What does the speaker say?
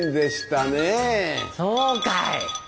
そうかい。